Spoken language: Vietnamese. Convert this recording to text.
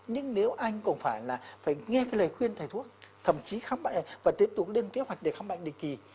nhưng nếu anh cũng phải là phải nghe cái lời khuyên thầy thuốc thậm chí khám bệnh và tiếp tục lên kế hoạch để khám bệnh định kỳ